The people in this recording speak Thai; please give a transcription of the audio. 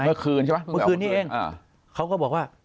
เมื่อคืนใช่ไหมเมื่อคืนนี้เองเขาก็บอกว่า